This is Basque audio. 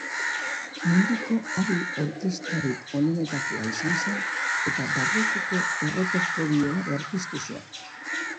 Munduko hari-orkestrarik onenetakoa izan zen, eta barrokoko errepertorioa berpiztu zuen.